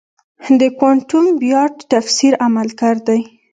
د کوانټم بیارد تفسیر عملگر دی.